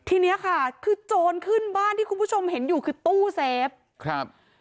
ทีเนี้ยค่ะคือโจรขึ้นบ้านที่คุณผู้ชมเห็นอยู่คือตู้เซฟครับ